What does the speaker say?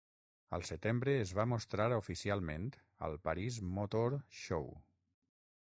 Al setembre es va mostrar oficialment al Paris Motor Show.